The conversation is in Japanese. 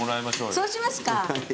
そうしますか。